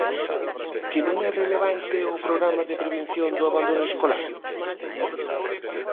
¿Que non é relevante o programa de prevención do abandono escolar?